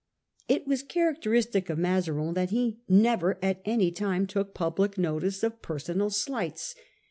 It was characteristic of Mazarin that he never at any time took public notice of personal slights.